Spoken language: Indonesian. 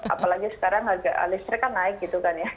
apalagi sekarang harga listrik kan naik gitu kan ya